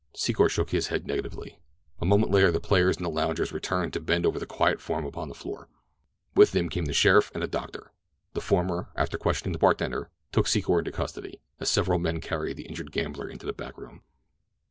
Secor shook his head negatively. A moment later the players and the loungers returned to bend over the quiet form upon the floor. With them came the sheriff and a doctor. The former, after questioning the bartender, took Secor into custody, as several men carried the injured gambler into a back room.